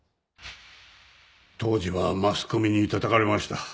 当時はマスコミに叩かれました。